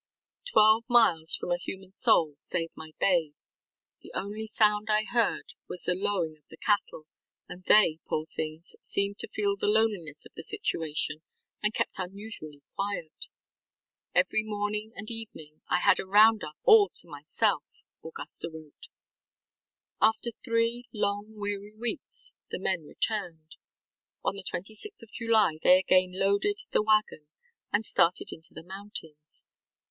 Twelve miles from a human soul save my babe. The only sound I heard was the lowing of the cattle, and they, poor things, seemed to feel the loneliness of the situation and kept unusually quiet. Every morning and evening I had a ŌĆśround upŌĆÖ all to myself, ŌĆØ Augusta wrote. After three ŌĆ£long, weary weeksŌĆØ the men returned. On the 26th of July they again ŌĆ£lodedŌĆØ the wagon and started into the mountains.